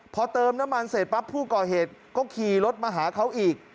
พอเติมน้ำมันเสร็จปั๊บผู้ก่อเหตุก็ขี่รถมาหาเขาอีก